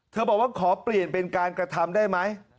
บอกว่าขอเปลี่ยนเป็นการกระทำได้ไหม